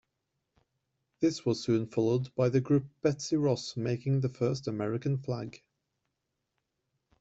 This was soon followed by the group Betsy Ross Making the First American Flag.